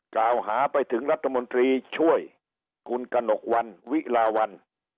กล่าวหาไปถึงรัฐมนตรีช่วยคุณกระหนกวันวิลาวัน